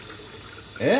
えっ？